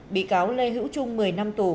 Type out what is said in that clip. bị cáo lê hữu trung một mươi năm tù